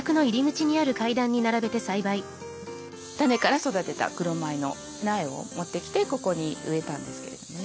種から育てた黒米の苗を持ってきてここに植えたんですけれどもね。